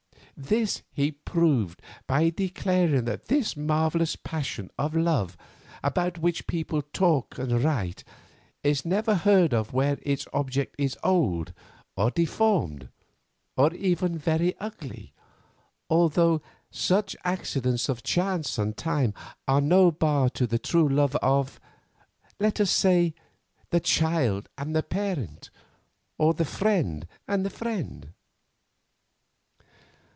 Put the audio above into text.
This he proved by declaring that this marvellous passion of love about which people talk and write is never heard of where its object is old or deformed, or even very ugly, although such accidents of chance and time are no bar to the true love of—let us say—the child and the parent, or the friend and the friend.